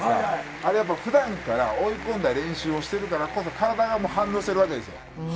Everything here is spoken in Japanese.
あれやっぱり、ふだんから追い込んだ練習をしてるからこそ、体が反応してるわけですよ。